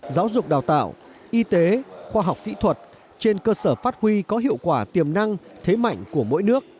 giáo dục đào tạo y tế khoa học kỹ thuật trên cơ sở phát huy có hiệu quả tiềm năng thế mạnh của mỗi nước